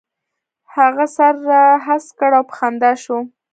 هغه سر را هسک کړ او په خندا شو.